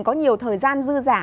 có nhiều thời gian dư giả